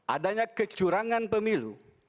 adanya kecurangan pemilu